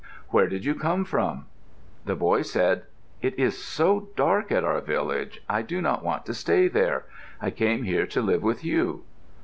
Where did you come from?" The boy said, "It is so dark at our village I do not want to stay there. I came here to live with you."